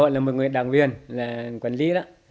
quản lý họ là một trăm linh người đảng viên là quản lý đó